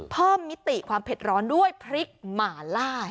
มิติความเผ็ดร้อนด้วยพริกหมาล่า